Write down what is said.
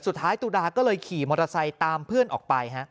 สุดท้ายตุดาก็เลยขี่มอเตอร์ไซค์ตามเพื่อนออกไป